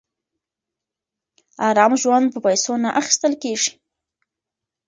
ارام ژوند په پیسو نه اخیستل کېږي.